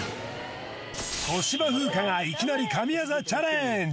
小芝風花がいきなり神業チャレンジ！